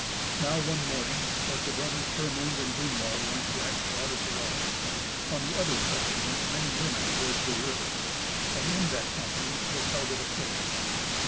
Now, one morning, as the brothers Hermund and Gunnlaug went to Axe water to wash, on the other side went many women towards the river, and in that company was Helga the Fair.